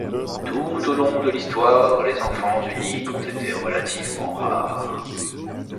Tout au long de l'histoire, les enfants uniques ont été relativement rares.